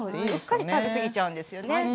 うっかり食べ過ぎちゃうんですよね。